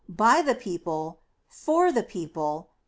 . .by the people. . .for the people.